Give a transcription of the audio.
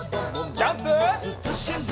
ジャンプ！